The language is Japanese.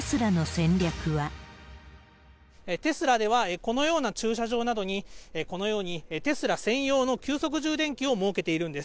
テスラでは、このような駐車場などに、このようにテスラ専用の急速充電機を設けているんです。